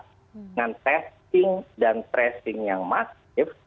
dengan testing dan tracing yang masif